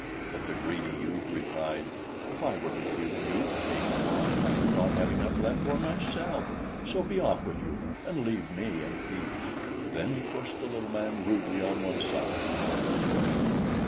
But the greedy youth replied: "If I were to give you cake and wine, I should not have enough left for myself; so be off with you, and leave me in peace." Then he pushed the little man rudely on one side and went his way.